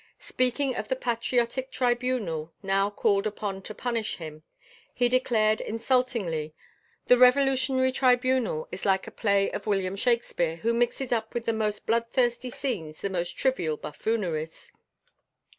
Speaking of the patriotic tribunal now called upon to punish him, he declared insultingly, 'The Revolutionary Tribunal is like a play of William Shakespeare, who mixes up with the most bloodthirsty scenes the most trivial buffooneries.'